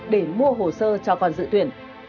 để mua hồ sơ cho con dự tuyển